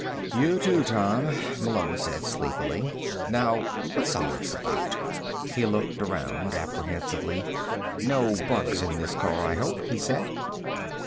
"You, too, Tom," Malone said sleepily. "Now what's all this about?" He looked around apprehensively. "No bugs in this car, I hope?" he said.